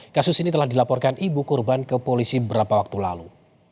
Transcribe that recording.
kasus ini telah dilaporkan ibu korban ke polisi beberapa waktu lalu